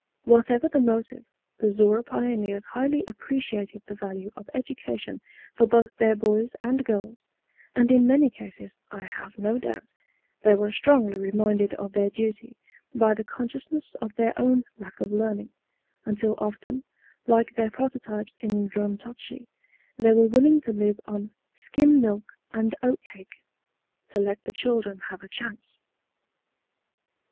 Whatever the motive, the Zorra pioneers highly appreciated the value of education for both their boys and girls, and in many cases, I have no doubt, they were strongly reminded of their duty by the consciousness of their own lack of learning, until often, like their prototypes in Drumtochty, they were willing to live on "skim milk and oat cake, to let the children have a chance."